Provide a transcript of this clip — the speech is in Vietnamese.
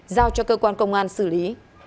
giao cho cơ quan công an xử lý